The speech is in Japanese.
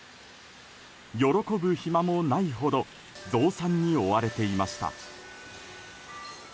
喜ぶ暇もないほど増産に追われていました。